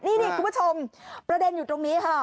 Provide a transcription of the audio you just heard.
นี่คุณผู้ชมประเด็นอยู่ตรงนี้ค่ะ